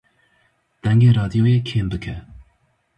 Dengê radyoyê kêm bike